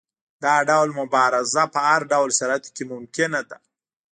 دا ډول مبارزه په هر ډول شرایطو کې ممکنه ده.